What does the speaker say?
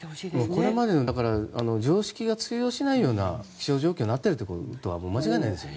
これまでの常識が通用しないような気象状況になっていることは間違いないですよね。